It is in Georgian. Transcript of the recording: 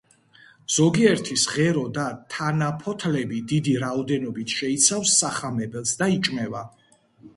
ზოგიერთის ღერო და თანაფოთლები დიდი რაოდენობით შეიცავს სახამებელს და იჭმება.